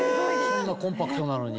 そんなコンパクトなのに。